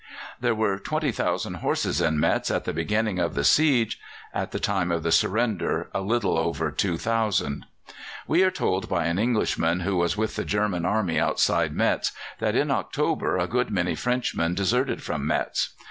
There were 20,000 horses in Metz at the beginning of the siege; at the time of the surrender a little over 2,000. We are told by an Englishman who was with the German Army outside Metz that in October a good many Frenchmen deserted from Metz.